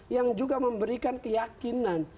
yang juga memberikan keyakinan